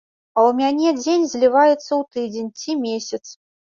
А ў мяне дзень зліваецца ў тыдзень ці месяц.